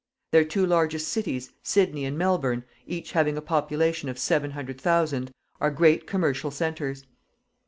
Their two largest cities, Sydney and Melbourne, each having a population of 700,000, are great commercial centres.